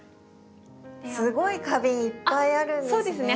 すごい花瓶いっぱいあるんですね。